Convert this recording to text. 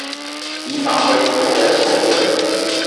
以法規作為後盾